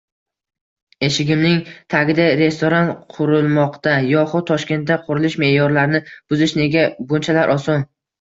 “Eshigimning tagida restoran qurilmoqda” yoxud Toshkentda qurilish me’yorlarini buzish nega bunchalar oson?